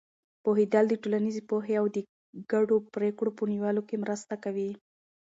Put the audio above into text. پوهېدل د ټولنیزې پوهې او د ګډو پرېکړو په نیولو کې مرسته کوي.